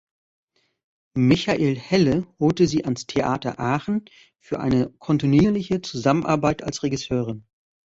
Michael Helle holte sie ans Theater Aachen für eine kontinuierliche Zusammenarbeit als Regisseurin.